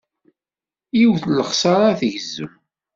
Yiwet n lexsara tgezzem.